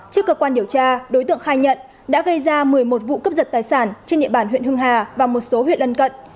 trước cơ quan điều tra đối tượng khai nhận đã gây ra một mươi một vụ cướp giật tài sản trên địa bàn huyện hưng hà và một số huyện lân cận